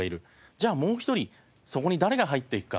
じゃあもう一人そこに誰が入っていくか。